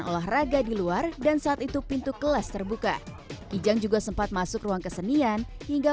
olahraga di luar dan saat itu pintu kelas terbuka kijang juga sempat masuk ruang kesenian hingga